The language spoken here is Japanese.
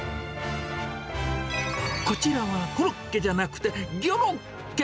こちらはコロッケじゃなくて、ギョロッケ。